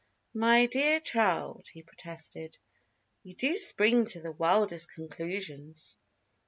"My dear child," he protested. "You do spring to the wildest conclusions!"